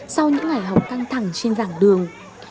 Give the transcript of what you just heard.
sau những ngày học căng thẳng trên dạng đường